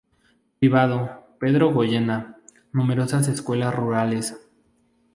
Privado "Pedro Goyena", numerosas escuelas rurales.